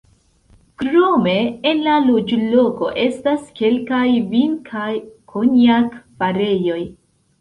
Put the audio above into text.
Krome, en la loĝloko estas kelkaj vin- kaj konjak-farejoj.